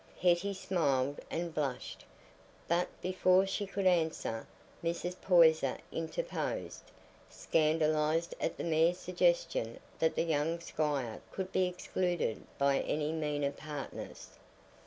Hetty smiled and blushed, but before she could answer, Mrs. Poyser interposed, scandalized at the mere suggestion that the young squire could be excluded by any meaner partners.